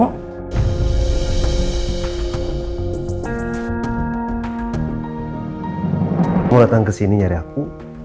kamu datang kesini nyari aku